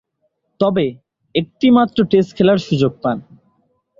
তবে, একটিমাত্র টেস্ট খেলার সুযোগ পান।